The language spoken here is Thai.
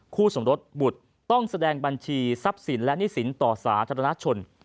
สมรสบุตรต้องแสดงบัญชีทรัพย์สินและหนี้สินต่อสาธารณชน